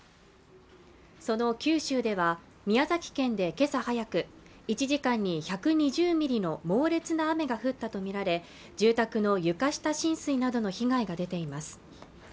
その九州では宮崎県でけさ早く１時間に１２０ミリの猛烈な雨が降ったと見られ住宅の床下浸水などの被害が出ています